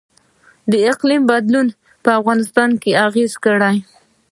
د اقلیم بدلون په افغانستان اغیز کړی؟